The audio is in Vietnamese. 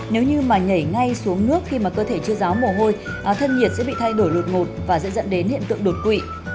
nếu như mà nhảy ngay xuống nước khi mà cơ thể chưa giáo mồ hôi thân nhiệt sẽ bị thay đổi đột ngột và dễ dẫn đến hiện tượng đột quỵ